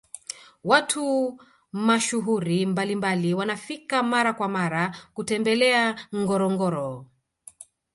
watu mashuhuri mbalimbali wanafika mara kwa mara kutembelea ngorongoro